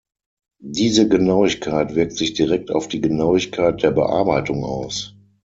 Diese Genauigkeit wirkt sich direkt auf die Genauigkeit der Bearbeitung aus.